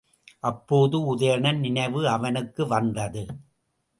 அப்போது உதயணன் நினைவு அவனுக்கு வந்தது.